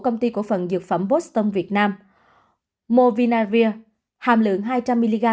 công ty cổ phận dược phẩm boston việt nam movinavir hàm lượng hai trăm linh mg